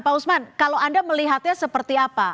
pak usman kalau anda melihatnya seperti apa